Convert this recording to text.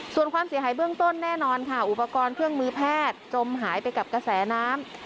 ส่วนความเสียหายเบื้องต้นแน่นอนค่ะอุปกรณ์เครื่องมือแพทย์จมหายไปกับกระแสน้ำ